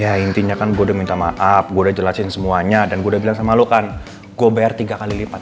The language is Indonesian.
ya intinya kan gue udah minta maaf gue udah jelasin semuanya dan gue udah bilang sama lo kan gue bayar tiga kali lipat